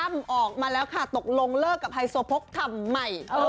ออกมาแล้วค่ะตกลงเลิกกับไฮโซโพกทำไม